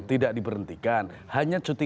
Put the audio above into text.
tidak diberhentikan hanya cuti